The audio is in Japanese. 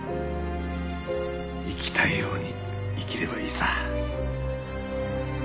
生きたいように生きればいいさ。